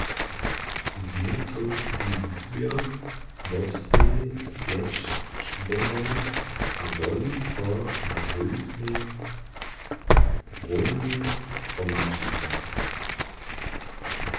Změrcowski wuběrk wobsteji z pjeć čłonow a woli so na wólbnej hłownej zhromadźiznje.